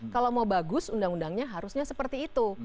kalau mau bagus undang undangnya harusnya seperti itu